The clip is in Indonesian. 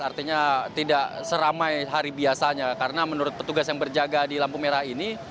artinya tidak seramai hari biasanya karena menurut petugas yang berjaga di lampu merah ini